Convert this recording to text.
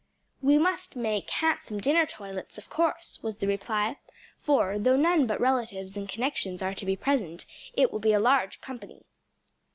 "We must make handsome dinner toilets, of course," was the reply; "for, though none but relatives and connections are to be present, it will be a large company."